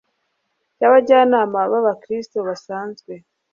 cy Abajyanama b Abakristo basanzwe